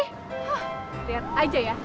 hah liat aja ya